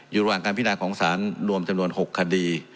อยู่ระหว่างการพินาของสารรวมจำนวน๖คดี